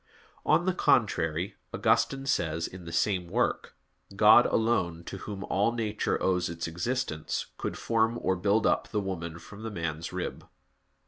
On the contrary, Augustine says, in the same work: "God alone, to Whom all nature owes its existence, could form or build up the woman from the man's rib."